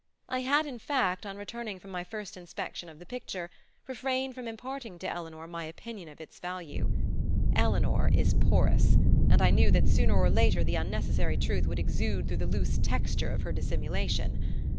I had, in fact, on returning from my first inspection of the picture, refrained from imparting to Eleanor my opinion of its value. Eleanor is porous, and I knew that sooner or later the unnecessary truth would exude through the loose texture of her dissimulation.